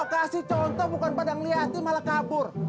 gua kasih contoh bukan padang liati malah kabur